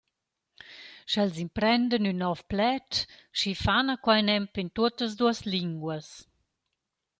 Sch’els imprendan ün nouv pled schi fana quai nempe in tuottas duos linguas.